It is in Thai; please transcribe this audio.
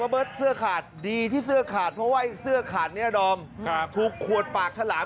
จริงจริงจริงจริงจริงจริงจริงจริงจริง